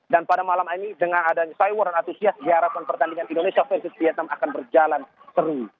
dan pada malam ini dengan adanya cywar dan antusias di arah pertandingan indonesia versus vietnam akan berjalan seru